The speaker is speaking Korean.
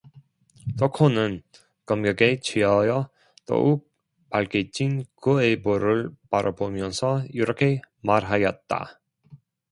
덕호는 감격에 취하여 더욱 발개진 그의 볼을 바라보면서 이렇게 말하였다.